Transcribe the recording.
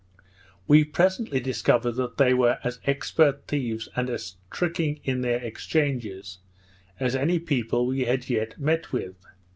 We presently discovered that they were as expert thieves and as tricking in their exchanges, as any people we had yet met with.